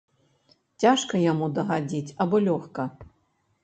Цяжка яму дагадзіць альбо лёгка?